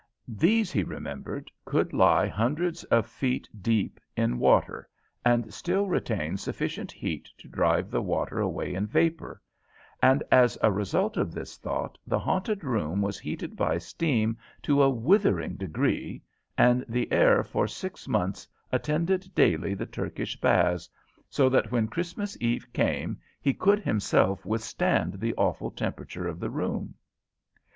These, he remembered, could lie hundreds of feet deep in water, and still retain sufficient heat to drive the water away in vapor; and as a result of this thought the haunted room was heated by steam to a withering degree, and the heir for six months attended daily the Turkish baths, so that when Christmas Eve came he could himself withstand the awful temperature of the room.